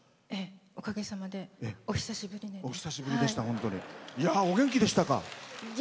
おかげさまで「お久しぶりね」。元気です。